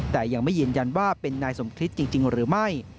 แต่ยังไม่ยืนยันว่าเป็นนายสมคริสต์จริงหรือไม่